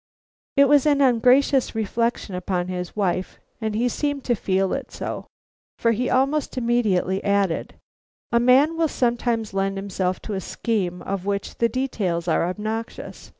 It was an ungracious reflection upon his wife, and he seemed to feel it so; for he almost immediately added: "A man will sometimes lend himself to a scheme of which the details are obnoxious.